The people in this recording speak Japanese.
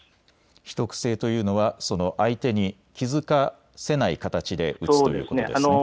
秘匿性というのは相手に気付かせない形で撃つということですね。